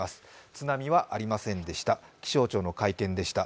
津波はありませんでした。